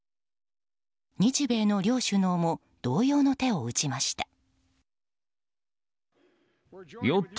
日米の両首脳も同様の手を打ちました。